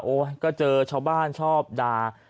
โอ๊ยก็เจอชาวบ้านชอบดา